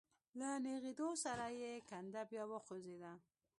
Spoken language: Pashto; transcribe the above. له نېغېدو سره يې کنده بيا وخوځېده.